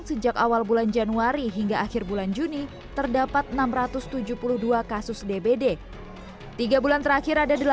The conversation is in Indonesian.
sejak awal bulan januari hingga akhir bulan juni terdapat enam ratus tujuh puluh dua kasus dbd tiga bulan terakhir ada